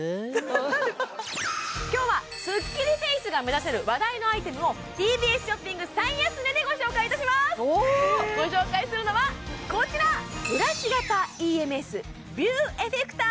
今日はスッキリフェイスが目指せる話題のアイテムをＴＢＳショッピング最安値でご紹介いたしますご紹介するのはこちら実はですね